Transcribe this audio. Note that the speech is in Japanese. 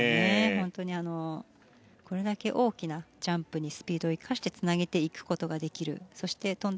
本当にこれだけ大きなジャンプにスピードを生かしてつなげていくことができるそして跳んだ